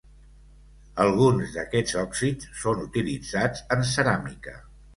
Alguns d'aquests òxids són utilitzats en ceràmica.